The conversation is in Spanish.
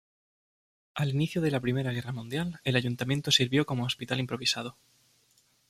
Al inicio de la Primera Guerra Mundial, el ayuntamiento sirvió como hospital improvisado.